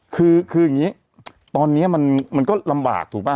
คืออย่างนี้ตอนนี้มันก็ลำบากถูกป่